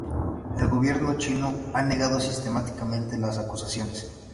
El gobierno chino ha negado sistemáticamente las acusaciones.